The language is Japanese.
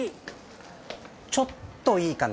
ちょっといいかな。